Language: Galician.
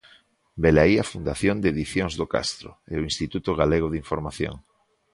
Velaí a fundación de Edicións do Castro e o Instituto Galego de Información.